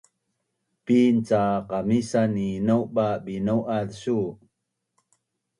Pin ca qamisan ni nauba’binau’az su?